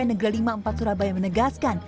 negeri lima puluh empat surabaya menegaskan